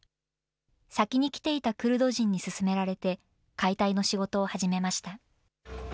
先に来ていたクルド人に勧められて、解体の仕事を始めました。